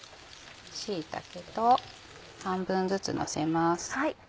椎茸と半分ずつのせます。